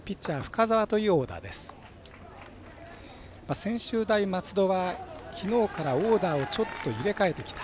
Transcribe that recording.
専修大松戸はきのうからオーダーをちょっと入れ替えてきた。